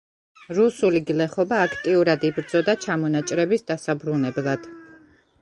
რუსული გლეხობა აქტიურად იბრძოდა ჩამონაჭრების დასაბრუნებლად.